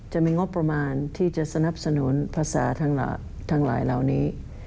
จะมีงบประมาณที่จะสนับสนุนภาษาทั้งหลายเหล่านี้